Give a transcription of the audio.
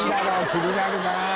気になるなあ。